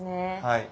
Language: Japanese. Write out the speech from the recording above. はい。